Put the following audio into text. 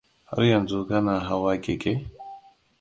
Har yanzu kana hawa keke?